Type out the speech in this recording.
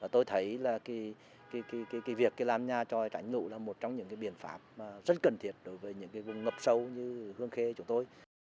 tôi thấy là việc làm nhà tròi tránh lũ là một trong những biện pháp rất cần thiết đối với những vùng ngập sâu như hương khê chúng tôi